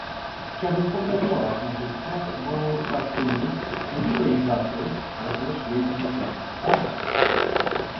chciałabym pogratulować naszej sprawozdawczyni nie tylko jej pracy, ale też jej umiejętności słuchania